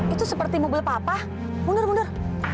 itu seperti mobil papa mundur munder